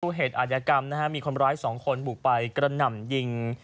สู่เหตุอันยากรรมนะฮะมีคนร้าย๒คนบุกไปกระดำยิง